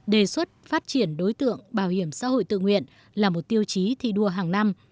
đề xuất phát triển đối tượng bảo hiểm xã hội tự nguyện là một tiêu chí thi đua hàng năm